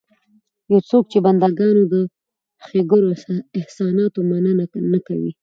يو څوک چې د بنده ګانو د ښېګړو او احساناتو مننه نه کوي